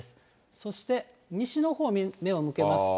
そして、西のほう、目を向けますと。